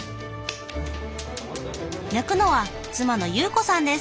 焼くのは妻の優子さんです。